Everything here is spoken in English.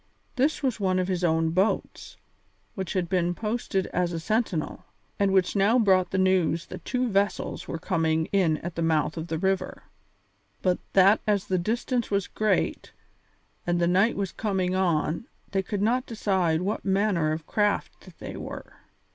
This was one of his own boats, which had been posted as a sentinel, and which now brought the news that two vessels were coming in at the mouth of the river, but that as the distance was great and the night was coming on they could not decide what manner of craft they were.